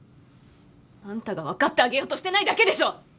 あんたが分かってあげようとしてないだけでしょ！